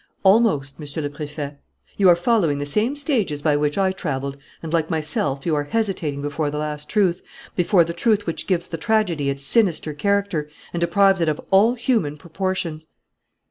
"Almost, Monsieur le Préfet. You are following the same stages by which I travelled and, like myself, you are hesitating before the last truth, before the truth which gives the tragedy its sinister character and deprives it of all human proportions."